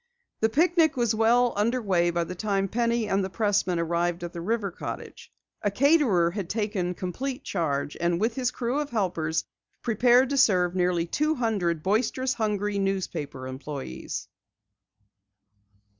The picnic was well under way by the time Penny and the pressman arrived at the river cottage. A caterer had taken complete charge, and with his crew of helpers, prepared to serve nearly two hundred boisterous, hungry newspaper employes.